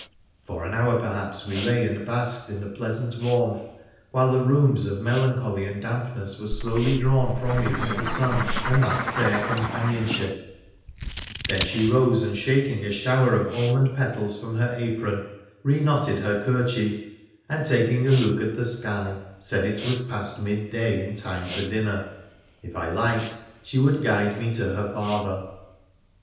For an hour, perhaps, we lay and basked in the pleasant warmth, while the rheums of melancholy and dampness were slowly drawn from me by the sun and that fair companionship, then she rose, and, shaking a shower of almond petals from her apron, re knotted her kerchief, and, taking a look at the sky, said it was past midday and time for dinner. If I liked, she would guide me to her father.